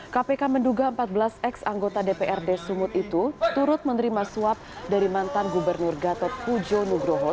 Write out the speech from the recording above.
kpk menduga empat belas ex anggota dprd sumut itu turut menerima suap dari mantan gubernur gatot pujo nugroho